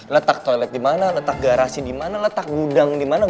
letak toilet dimana letak garasi dimana letak gudang dimana